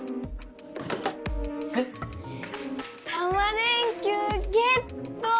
え⁉タマ電Ｑゲットー！